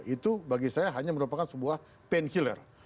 itu bagi saya hanya merupakan sebuah pain killer